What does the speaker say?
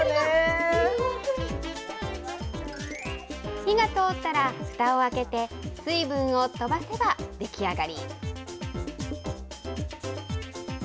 火が通ったら、ふたを開けて、水分を飛ばせば出来上がり。